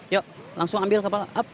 yuk langsung ambil kepala